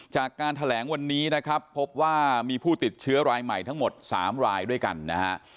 จากการแถลงวันนี้นะครับพบว่ามีผู้ติดเชื้อรายใหม่ทั้งหมด๓รายด้วยกันนะฮะ